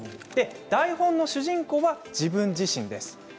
台本の主人公は自分自身です。